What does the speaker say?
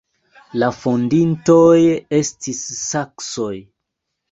La fondintoj estis saksoj.